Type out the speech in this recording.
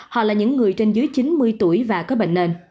họ là những người trên dưới chín mươi tuổi và có bệnh nền